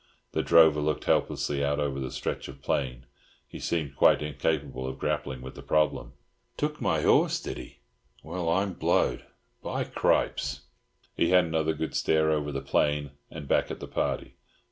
The drover looked helplessly out over the stretch of plain. He seemed quite incapable of grappling with the problem. "Took my horse, did he? Well, I'm blowed! By Cripes!" He had another good stare over the plain, and back at the party.